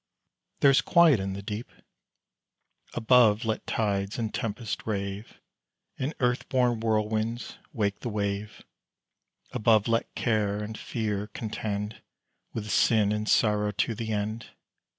There's quiet in the deep Above let tides and tempests rave, And earth born whirlwinds wake the wave; Above let care and fear contend, With sin and sorrow to the end.